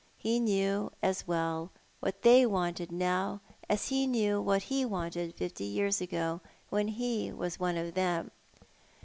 He knew as well what they wanted now as he knew what he wanted fifty years ago when he was one of them.